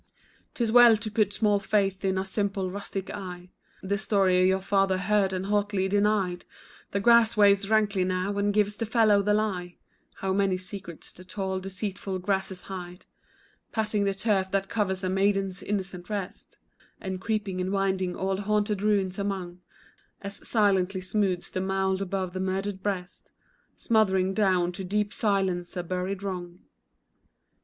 'Tis well to put small faith in a simple rustic's eye, This story your father heard, and haughtily denied, The grass waves rankly now, and gives the fellow the lie, How many secrets the tall, deceitful grasses hide, Patting the turf that covers a maiden's innocent rest, And creeping and winding old haunted ruins among, As silently smooth's the mould above the murdered breast, Smothering down to deeper silence a buried wrong.